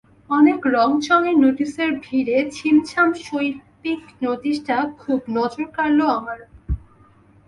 অনেক রংচঙে নোটিশের ভিড়ে ছিমছাম শৈল্পিক নোটিশটা খুব নজর কাড়ল আমার।